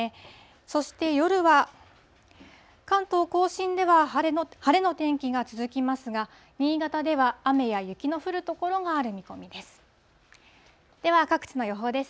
そして夜は、関東甲信では晴れの天気が続きますが、新潟では雨や雪の降る所がある見込みです。